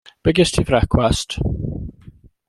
Be' gest ti i frecwast?